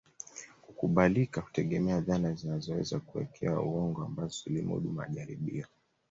Kukubalika hutegemea dhana zinazoweza kuwekewa uongo ambazo zilimudu majaribio